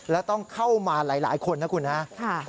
แล้วต้องเข้ามาหลายคนนะครับ